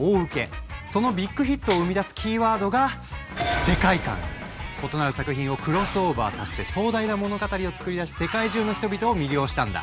そのビッグヒットを生み出すキーワードが異なる作品をクロスオーバーさせて壮大な物語を作り出し世界中の人々を魅了したんだ。